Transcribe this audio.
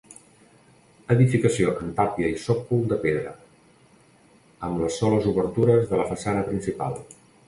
Edificació en tàpia i sòcol de pedra, amb les soles obertures de la façana principal.